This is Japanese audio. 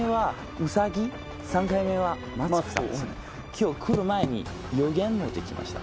今日来る前に予言持ってきました。